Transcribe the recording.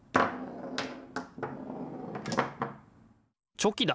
チョキだ！